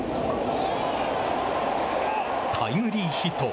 タイムリーヒット。